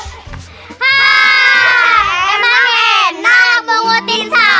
haaa emang enak mengutin sampah